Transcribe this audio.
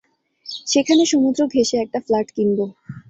সেখানে সমুদ্র ঘেঁষে একটা ফ্লাট কিনব।